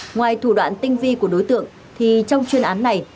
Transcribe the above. ngoài thủ đoạn tinh vi của đối tượng thì trong chuyên án này